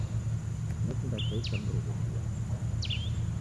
Nekunda chai cha mrughundia.